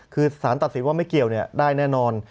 คือสารตัดสินว่าไม่เกี่ยวได้แน่นอน